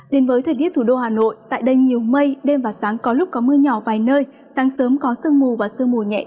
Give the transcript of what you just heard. đến với thời tiết thủ đô hà nội tại đây nhiều mây đêm và sáng có lúc có mưa nhỏ vài nơi sáng sớm có sương mù và sương mù nhẹ